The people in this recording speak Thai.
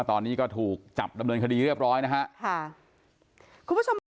พูดกันไงน้องคุณแม่